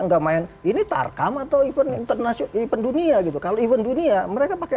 enggak main ini tarkam atau ipon internasional pendunia gitu kalau ibon dunia mereka pakai